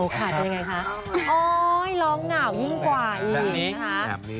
โอ้ขาดเป็นไงคะอ๋อร้องเหงายิ่งกว่าอีกนะคะ